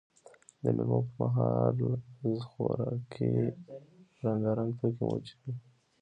د مېلو پر مهال خوراکي رنګارنګ توکي موجود يي.